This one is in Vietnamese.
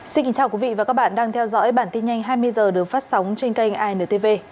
xin kính chào quý vị và các bạn đang theo dõi bản tin nhanh hai mươi h được phát sóng trên kênh intv